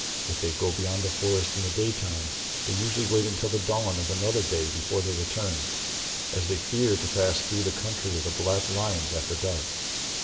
If they go beyond the forest in the daytime they usually wait until the dawn of another day before they return, as they fear to pass through the country of the black lions after dark.